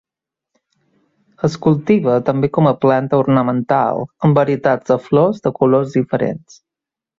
Es cultiva també com a planta ornamental, amb varietats de flors de colors diferents.